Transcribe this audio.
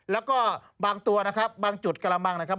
แล้วก็บางตัวนะครับบางจุดกระมังนะครับ